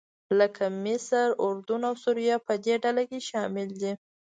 لکه مصر، اردن او سوریه په دې ډله کې شامل دي.